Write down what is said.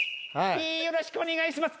よろしくお願いします。